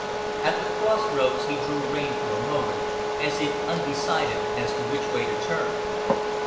At the Cross Roads he drew rein for a moment, as if undecided as to which way to turn.